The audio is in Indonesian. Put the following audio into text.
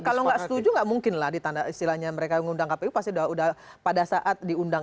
kalau nggak setuju nggak mungkinlah ditanda istilahnya mereka mengundang kpu pasti udah pada saat diundang